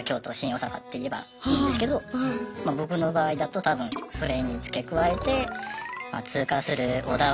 大阪って言えばいいんですけどま僕の場合だと多分それに付け加えて「通過する小田原